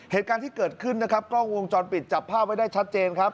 เหตุการณ์ที่เกิดขึ้นนะครับกล้องวงจรปิดจับภาพไว้ได้ชัดเจนครับ